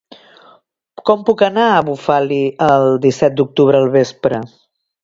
Com puc anar a Bufali el disset d'octubre al vespre?